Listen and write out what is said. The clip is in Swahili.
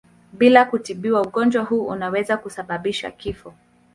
Bila kutibiwa ugonjwa huu unaweza kusababisha kifo.